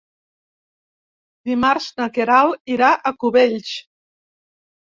Dimarts na Queralt irà a Cubells.